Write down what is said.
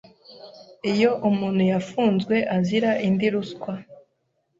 Iyo umuntu yafunzwe azira indi ruswa